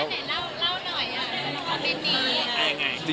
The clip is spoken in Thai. ขอบในหน่อย